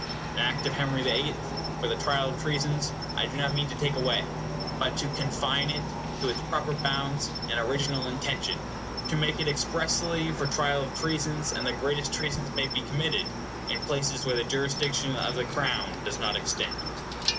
The Act of Henry the Eighth, for the Trial of Treasons, I do not mean to take away, but to confine it to its proper bounds and original intention; to make it expressly for trial of treasons—and the greatest treasons may be committed—in places where the jurisdiction of the Crown does not extend.